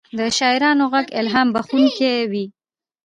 د شاعرانو ږغ الهام بښونکی وي.